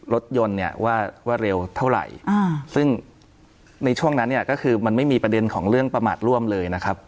รถยนต์เนี่ยว่าเร็วเท่าไหร่ซึ่งในช่วงนั้นเนี่ยก็คือมันไม่มีประเด็นของเรื่องประมาทร่วมเลยนะครับ